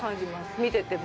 見てても。